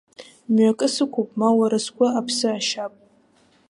Мҩакы сықәуп, ма уа сгәы аԥсы ашьап.